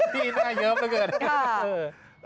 พี่หน้าเยิ้มเท่าเกิน